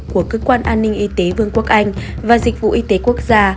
của cơ quan an ninh y tế vương quốc anh và dịch vụ y tế quốc gia